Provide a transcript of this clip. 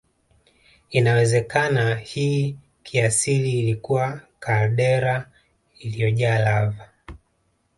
Inawezekana hii kiasili ilikuwa kaldera iliyojaa lava